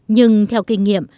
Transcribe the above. nhưng theo kinh nghiệm